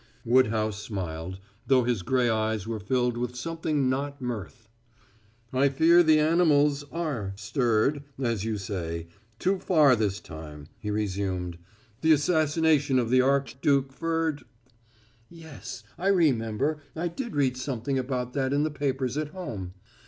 Woodhouse smiled, though his gray eyes were filled with something not mirth. "I fear the animals are stirred, as you say, too far this time," he resumed. "The assassination of the Archduke Ferd " "Yes, I remember I did read something about that in the papers at home.